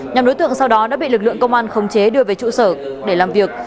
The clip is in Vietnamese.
nhóm đối tượng sau đó đã bị lực lượng công an khống chế đưa về trụ sở để làm việc